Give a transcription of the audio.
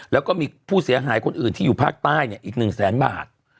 แล้วก็มีผู้เสียหายคนอื่นที่อยู่ภาคใต้อีก๑แสนบาท